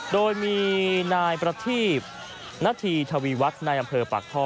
โดยมีนายประทีทวีวัฒน์ในอำเภอปากท่อ